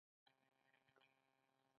آیا دوی ساتونکي او کمرې نلري؟